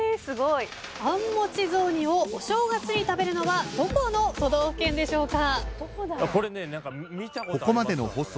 あん餅雑煮をお正月に食べるのはどこの都道府県でしょうか。